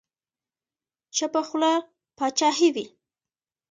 چپه خوله باچاهي وي.